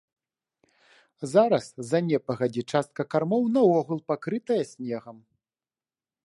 Зараз з-за непагадзі частка кармоў наогул пакрытая снегам.